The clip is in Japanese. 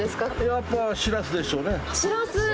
やっぱシラスでしょうね。